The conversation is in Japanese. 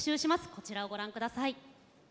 こちらをご覧ください。